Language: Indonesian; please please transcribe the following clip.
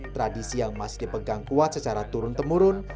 tradisi yang masih dipegang kuat secara turun temurun